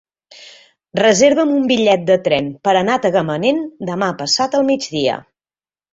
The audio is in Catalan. Reserva'm un bitllet de tren per anar a Tagamanent demà passat al migdia.